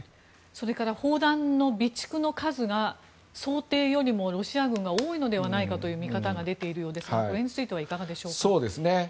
それから砲弾の備蓄の数が想定よりもロシア軍が多いのではないかという見方が出ているようですがこれについてはいかがでしょうか。